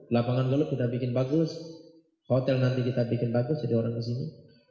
lapangan golf sudah bikin bagus hotel nanti kita bikin bagus jadi orang kesini